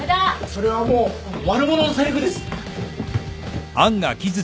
それはもう悪者のせりふです。